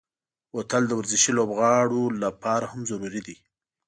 بوتل د ورزشي لوبغاړو لپاره هم ضروري دی.